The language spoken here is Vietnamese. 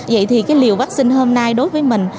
vậy thì cái liều vaccine hôm nay đối với mình